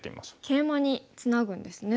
ケイマにツナぐんですね。